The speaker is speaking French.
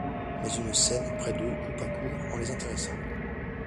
Mais une scène, près d’eux, coupa court, en les intéressant.